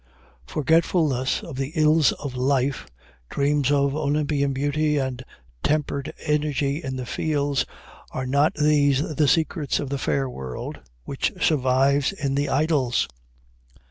Forgetfulness of the ills of life, dreams of Olympian beauty and tempered energy in the fields are not these the secrets of the fair world which survives in the Idylls?